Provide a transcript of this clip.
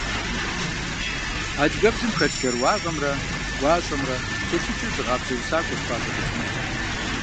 Адыгэбзэм хэлъ шэрыуагъэмрэ гуащӀэмрэ телъыджэу зыгъабзэ усакӀуэщ ПащӀэ Бэчмырзэ.